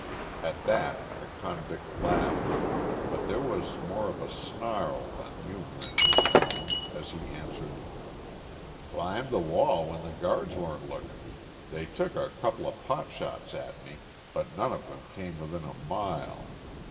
At that the convict laughed, but there was more of a snarl than humor in his tone as he answered: "Climbed th' wall when th' guards weren't lookin'. They took a coupla pot shots at me, but none of them came within a mile.